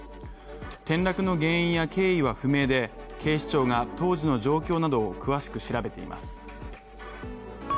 転落の原因や経緯は不明で、警視庁が当時の状況などを詳しく調べています。